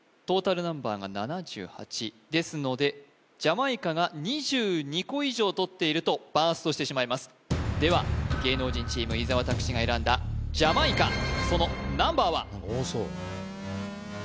トータルナンバーが７８ですのでジャマイカが２２個以上とっているとバーストしてしまいますでは芸能人チーム伊沢拓司が選んだジャマイカそのナンバーは？